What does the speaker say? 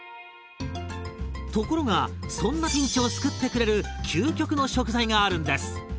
ところがそんなピンチを救ってくれる究極の食材があるんです。